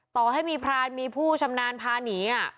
ต่อให้มีพรานมีผู้ชำนาญพาหนี